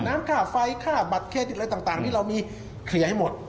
น้ำค่าไฟค่าบัตรเครดิตอะไรต่างที่เรามีเคลียร์ให้หมด